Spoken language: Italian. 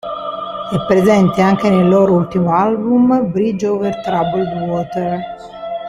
È presente anche nel loro ultimo album "Bridge over Troubled Water".